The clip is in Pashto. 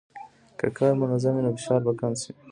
که کار منظم وي، نو فشار به کم شي.